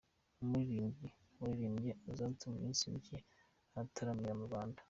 Umuriribyi waririmbye Azonto mu minsi mike arataramira mu Rwanda